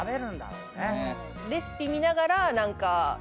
レシピ見ながら何か。